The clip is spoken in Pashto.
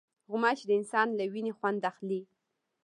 غوماشې د انسان له وینې خوند اخلي.